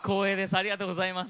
ありがとうございます。